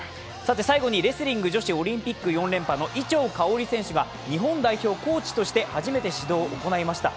最後のレスリング女子オリンピック４連覇の伊調馨選手が日本代表コーチとして初めて指導を行いました。